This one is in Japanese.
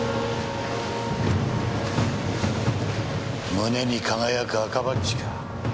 胸に輝く赤バッジか。